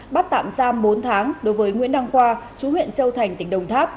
bắt tạm giam bốn tháng đối với nguyễn đăng khoa chú huyện châu thành tỉnh đồng tháp